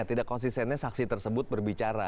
tidak konsistennya saksi tersebut berbicara